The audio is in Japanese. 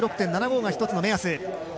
８６．７５が１つの目安。